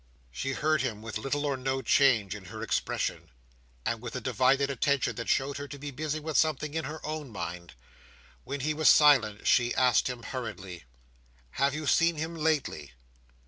She heard him with little or no change in her expression, and with a divided attention that showed her to be busy with something in her own mind. When he was silent, she asked him hurriedly: "Have you seen him lately?"